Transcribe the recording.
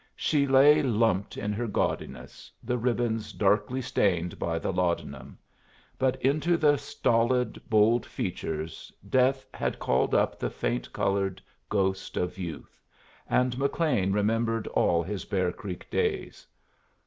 She lay lumped in her gaudiness, the ribbons darkly stained by the laudanum; but into the stolid, bold features death had called up the faint colored ghost of youth, and McLean remembered all his Bear Creek days.